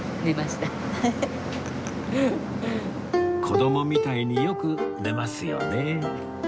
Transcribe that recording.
子どもみたいによく寝ますよね